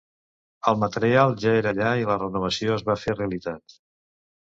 El material ja era allà i la renovació es va fer realitat.